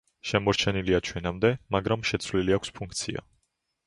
შემორჩენილია ჩვენამდე, მაგრამ შეცვლილი აქვს ფუნქცია.